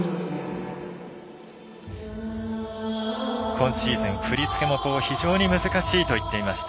今シーズン、振り付けも非常に難しいといってました。